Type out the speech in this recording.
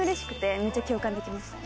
めっちゃ共感できました。